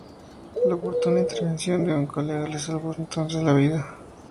La oportuna intervención de un colega le salvó entonces la vida.